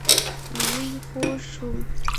وئ خوږ شوم